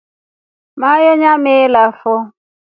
Maiyo nyameelafo.